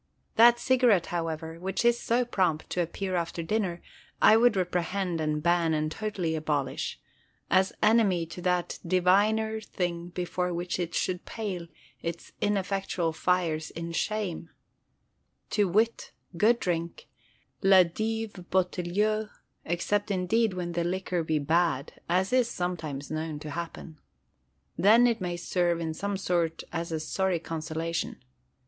That cigarette, however, which is so prompt to appear after dinner I would reprehend and ban and totally abolish: as enemy to that diviner thing before which it should pale its ineffectual fires in shame—to wit, good drink, "la dive bouteille"; except indeed when the liquor be bad, as is sometimes known to happen. Then it may serve in some sort as a sorry consolation.